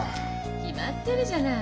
決まってるじゃない。